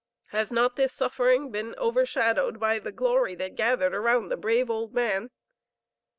Has not this suffering been overshadowed by the glory that gathered around the brave old man?...